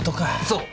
そう！